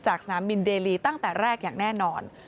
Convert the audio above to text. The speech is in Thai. สนามบินเดลีตั้งแต่แรกอย่างแน่นอน